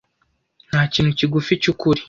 ntakintu kigufi cyukuri